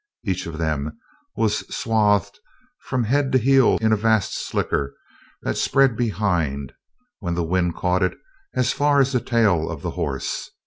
Each of them was swathed from head to heels in a vast slicker that spread behind, when the wind caught it, as far as the tail of the horse.